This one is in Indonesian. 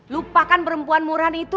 lupakan perempuan murahan itu